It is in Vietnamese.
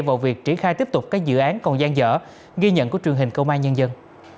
vào việc triển khai tiếp tục các dự án còn gian dở ghi nhận của truyền hình công an nhân dân